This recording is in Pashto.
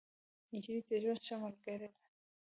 نجلۍ د ژوند ښه ملګرې ده.